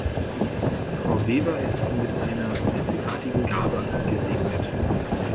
Frau Weber ist mit einer einzigartigen Gabe gesegnet.